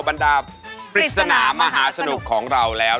บรรดาปริศนามหาสนุกของเราแล้ว